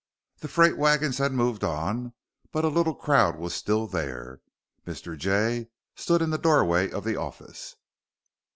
The freight wagons had moved on, but a little crowd was still there. Mr. Jay stood in the doorway of the office.